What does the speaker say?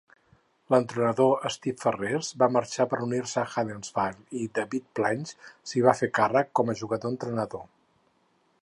L'entrenador Steve Ferres va marxar per unir-se a Huddersfield i David Plange s'hi va fer càrrec com a jugador-entrenador.